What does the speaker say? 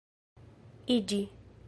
iĝi